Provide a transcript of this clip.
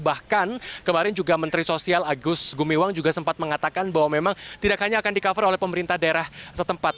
bahkan kemarin juga menteri sosial agus gumiwang juga sempat mengatakan bahwa memang tidak hanya akan di cover oleh pemerintah daerah setempat